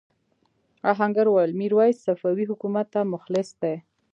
آهنګر وویل میرويس صفوي حکومت ته مخلص دی.